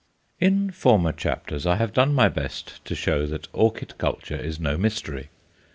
In former chapters I have done my best to show that orchid culture is no mystery.